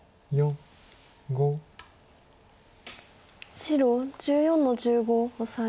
白１４の十五オサエ。